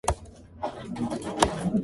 He went on to Athy.